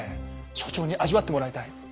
所長に味わってもらいたい。